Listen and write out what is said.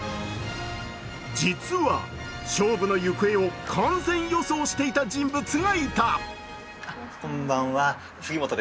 実は勝負の行方を完全予想していた人物がいた。